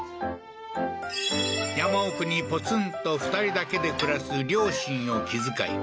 山奥にポツンと２人だけで暮らす両親を気遣い